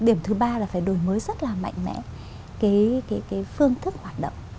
điểm thứ ba là phải đổi mới rất là mạnh mẽ cái phương thức hoạt động